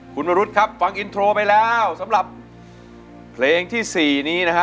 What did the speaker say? คุณวรุษครับฟังอินโทรไปแล้วสำหรับเพลงที่๔นี้นะฮะ